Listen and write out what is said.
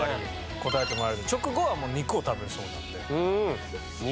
答えてもらえたように直後は肉を食べるそうなんで。